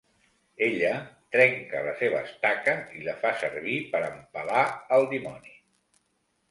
Ella trenca la seva estaca i la fa servir per empalar el dimoni.